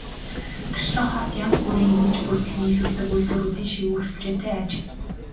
Тэрчлэн хот янз бүрийн иж бүрдэл нийлүүлдэг үйлдвэрүүдийн шигүү сүлжээтэй аж.